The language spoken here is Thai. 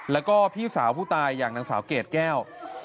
แล้วก็พี่สาวผู้ตายอย่างนางสาวเกรดแก้ว